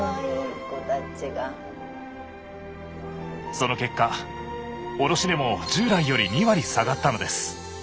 その結果卸値も従来より２割下がったのです。